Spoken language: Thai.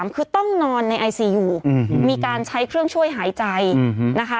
คือต้องนอนในไอซียูมีการใช้เครื่องช่วยหายใจนะคะ